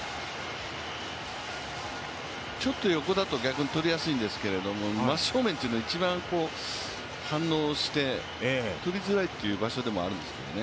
ちょっと横だと、逆にとりやすいんですけど、真正面というのは一番反応してとりづらいという場所でもあるんですね。